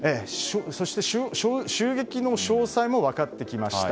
そして襲撃の詳細も分かってきました。